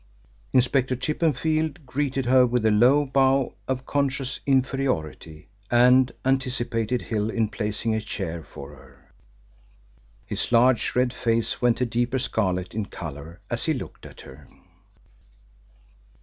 Inspector Chippenfield greeted her with a low bow of conscious inferiority, and anticipated Hill in placing a chair for her. His large red face went a deeper scarlet in colour as he looked at her.